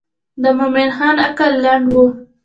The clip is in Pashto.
د مومن خان عقل لنډ و.